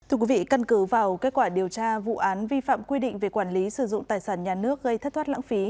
thưa quý vị căn cứ vào kết quả điều tra vụ án vi phạm quy định về quản lý sử dụng tài sản nhà nước gây thất thoát lãng phí